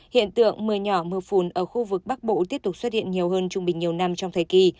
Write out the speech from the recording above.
hiện tượng mưa nhỏ mưa phùn ở khu vực bắc bộ tiếp tục xuất hiện nhiều hơn trung bình nhiều năm trong thời kỳ